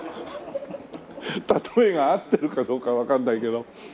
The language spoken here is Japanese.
例えが合ってるかどうかわかんないけど。